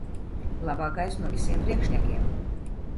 Labākais no visiem priekšniekiem.